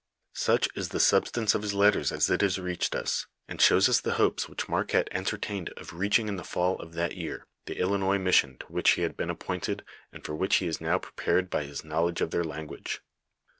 "^ Such is the substance of his letter as it has reached us, and shows us the hopes which Marquette entertained of reaching in the fall of that year, the Ilinois mission to which he had been appointed and for which he was now prepared by his knowledge of their language.